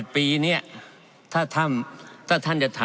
๘ปีเนี่ยถ้าท่านจะทำนี้นะครับ